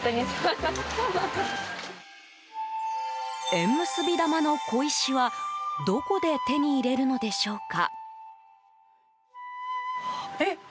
縁結び玉の小石はどこで手に入れるのでしょうか？